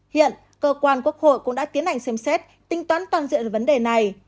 hiện cơ quan quốc hội cũng đã tiến hành xem xét tính toán toàn diện vấn đề này